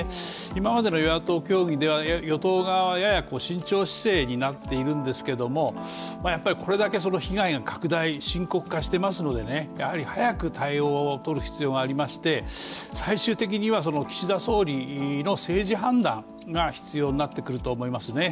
今までの与野党協議では、与党側がやや慎重姿勢になっているんですけどもやっぱりこれだけ被害が拡大、深刻化してますのでね、早く対応を取る必要がありまして、最終的には岸田総理の政治判断が必要になってくると思いますね。